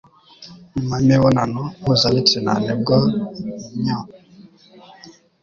nyuma y'imibonano mpuzabitsina nibwo nrya